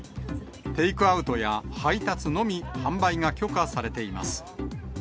テイクアウトや配達のみ、販売が許可されています。